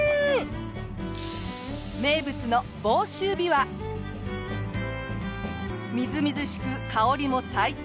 名物のみずみずしく香りも最高！